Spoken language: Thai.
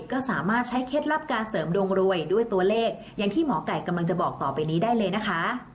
ก็สามารถใช้เคล็ดลับการเสริมดวงรวยด้วยตัวเลขอย่างที่หมอไก่กำลังจะบอกต่อไปนี้ได้เลยนะคะ